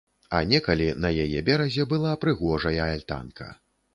А некалі на яе беразе была прыгожая альтанка.